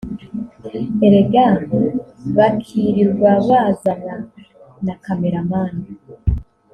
erega bakirirwa bazana na camera man